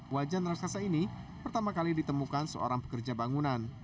wajan raksasa ini pertama kali ditemukan seorang pekerja bangunan